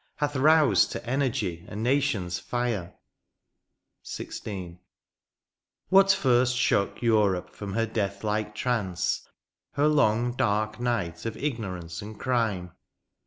Hath roused to energy a nation's fire. THE PAST. 123 XVI. What first shookEurope from her death like trance^ Her long dark night of ignorance and crime